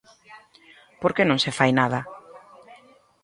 ¿Por que non se fai nada?